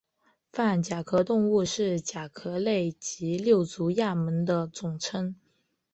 泛甲壳动物是甲壳类及六足亚门的总称。